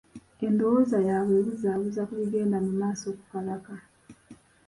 Endowooza yaabwe ebuzabuuza ku bigenda mu maaso ku Kabaka.